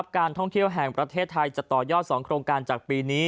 การท่องเที่ยวแห่งประเทศไทยจะต่อยอด๒โครงการจากปีนี้